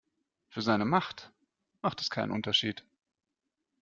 Für seine Macht macht es keinen Unterschied.